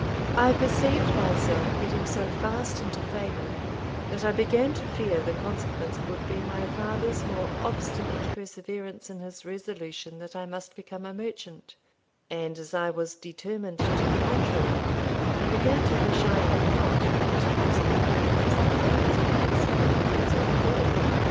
I perceived myself getting so fast into favour, that I began to fear the consequence would be my father's more obstinate perseverance in his resolution that I must become a merchant; and as I was determined on the contrary, I began to wish I had not, to use my friend Mr. Owen's phrase, been so methodical.